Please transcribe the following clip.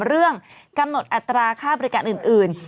เรื่องกำหนดอัตราค่าบริการอื่น